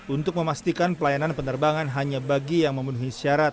untuk memastikan pelayanan penerbangan hanya bagi yang memenuhi syarat